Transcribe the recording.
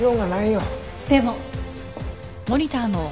でも。